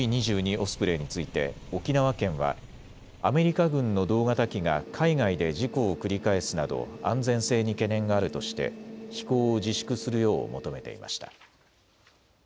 オスプレイについて沖縄県はアメリカ軍の同型機が海外で事故を繰り返すなど安全性に懸念があるとして飛行を自粛するよう求めていました。